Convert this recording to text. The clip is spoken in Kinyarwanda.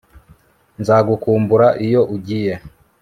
Nzagukumbura iyo ugiye